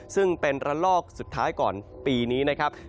ซึ่งเป็นระลอกสุดท้ายก่อนปีนี้นะครับ